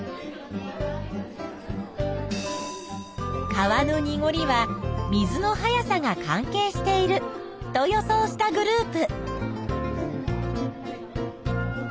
川のにごりは水の速さが関係していると予想したグループ。